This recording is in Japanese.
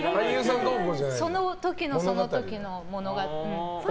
その時のその時の。